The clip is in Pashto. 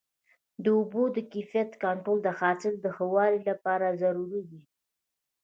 د اوبو د کیفیت کنټرول د حاصل د ښه والي لپاره ضروري دی.